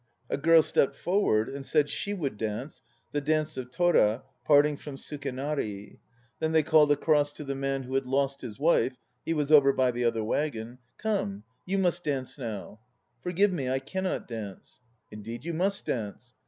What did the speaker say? A girl stepped forward and said she would dance the "Dance of Tora Part ing from Sukenari." Then they called across to the man who had lost his wife (he was over by the other waggon). "Come, you must dance now." "Forgive me, I cannot dance." "Indeed you must dance."